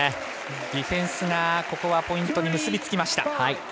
ディフェンスがポイントに結び付きました。